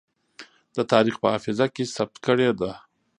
د تاريخ په حافظه کې ثبت کړې ده.